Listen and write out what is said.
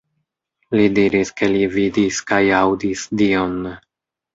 Li diris ke li vidis kaj aŭdis Dion.